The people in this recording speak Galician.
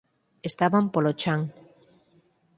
Estaban polo chan.